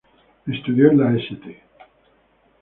Estudió en la "St.